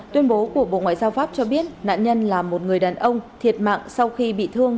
tuyên bố của bộ ngoại giao pháp cho biết nạn nhân là một người đàn ông thiệt mạng sau khi bị thương